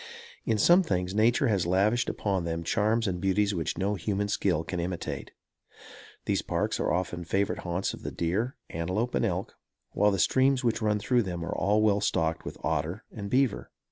In some things nature has lavished upon them charms and beauties which no human skill can imitate. These parks are favorite haunts of the deer, antelope and elk, while the streams which run through them are well stocked with otter and beaver.